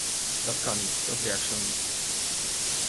Dat kan niet, dat werkt zo niet.